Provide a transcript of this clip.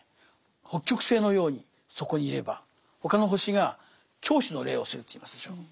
北極星のようにそこにいれば他の星が拱手の礼をするといいますでしょう。